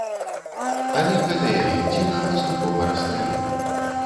Але гэтая ільдзіна паступова растае.